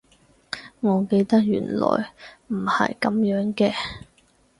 我記得原來唔係噉樣嘅